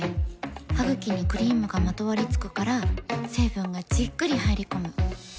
ハグキにクリームがまとわりつくから成分がじっくり入り込む。